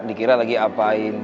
dikira lagi apain